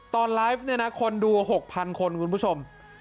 ตอนไลฟ์เนี่ยนะคนดู๖๐๐คนคุณผู้ชม